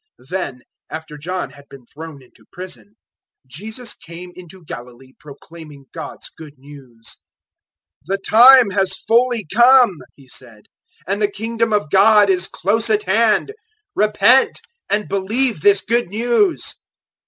001:014 Then, after John had been thrown into prison, Jesus came into Galilee proclaiming God's Good News. 001:015 "The time has fully come," He said, "and the Kingdom of God is close at hand: repent, and believe this Good News.